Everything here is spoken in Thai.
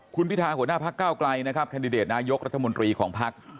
คุณพิธาหัวหน้าพักเก้าไกลนะครับแคนดิเดตนายกรัฐมนตรีของภักดิ์